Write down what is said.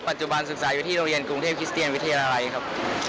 ศึกษาอยู่ที่โรงเรียนกรุงเทพคิสเตียนวิทยาลัยครับ